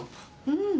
うん。